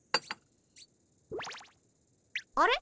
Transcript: あれ？